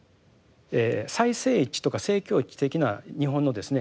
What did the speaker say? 祭政一致とか政教一致的な日本のですね